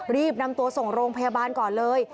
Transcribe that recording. รีบนำตัวส่งโรงพยาบาลก่อนเลย